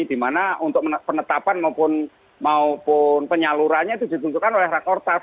di mana untuk penetapan maupun penyalurannya itu ditentukan oleh rakortas